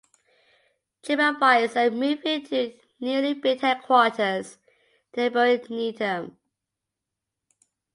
TripAdvisor moved into a newly built headquarters in neighboring Needham.